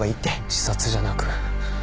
自殺じゃなく。